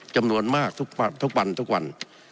จำนวนมากทุกวันทุกวัน